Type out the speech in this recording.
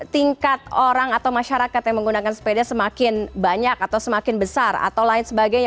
tingkat orang atau masyarakat yang menggunakan sepeda semakin banyak atau semakin besar atau lain sebagainya